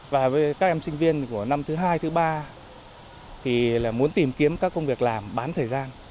và với các em sinh viên của năm thứ hai thứ ba thì muốn tìm kiếm các công việc làm bán thời gian